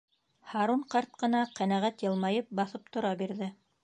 Һарун ҡарт ҡына ҡәнәғәт йылмайып баҫып тора бирҙе.